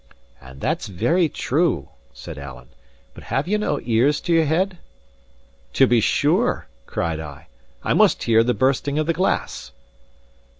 "And that's very true," said Alan. "But have ye no ears to your head?" "To be sure!" cried I. "I must hear the bursting of the glass!"